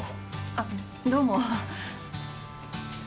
あっどうも。